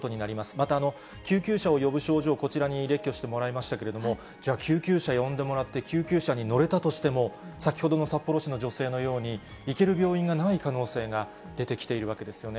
また救急車を呼ぶ症状、こちらに列挙してもらいましたけれども、じゃあ救急車呼んでもらって、救急車に乗れたとしても、先ほどの札幌市の女性のように、行ける病院がない可能性が出てきているわけですよね。